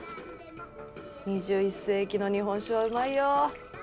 ２１世紀の日本酒はうまいよ。